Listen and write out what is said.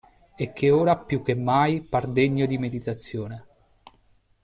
E che ora più che mai par degno di meditazione.